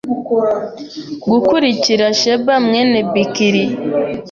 gukurikira Sheba mwene Bikiri